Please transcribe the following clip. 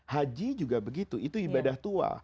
haji juga begitu itu ibadah tua